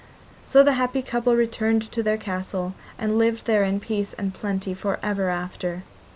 So the happy couple returned to their castle, and lived there in peace and plenty for ever after.